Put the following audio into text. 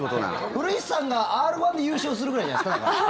古市さんがＲ−１で優勝するぐらいじゃないですか？